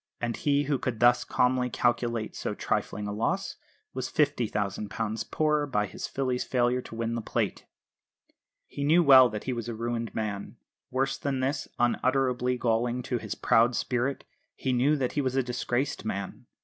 And he, who could thus calmly calculate so trifling a loss, was £50,000 poorer by his filly's failure to win the Plate! He knew well that he was a ruined man worse than this, unutterably galling to his proud spirit he knew that he was a disgraced man.